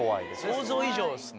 想像以上ですね。